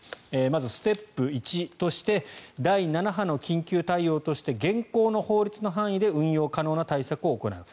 まず、ステップ１として第７波の緊急対応として現行の法律の範囲で運用可能な対策を行う。